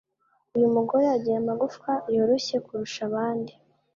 Uyu mugore agira amagufwa yoroshye kurusha abandi